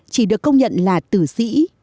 chỉ được công nhận là tử sĩ